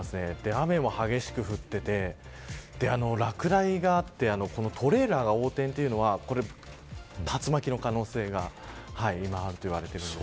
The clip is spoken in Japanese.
雨も激しく降っていて落雷があってトレーラーが横転というのは竜巻の可能性があると言われています。